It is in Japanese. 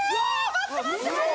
待って待って。